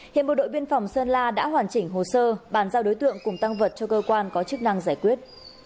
hiện bộ đội biên phòng sơn la đã hoàn chỉnh hồ sơ bàn giao đối tượng cùng tăng vật cho cơ quan có chức năng giải quyết